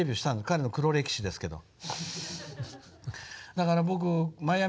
彼の黒歴史ですけど。